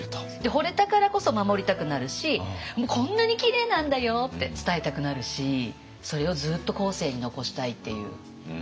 ほれたからこそ守りたくなるし「こんなにきれいなんだよ！」って伝えたくなるしそれをずっと後世に残したいっていう。